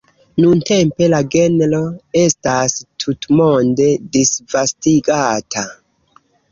Nuntempe la genro estas tutmonde disvastigata.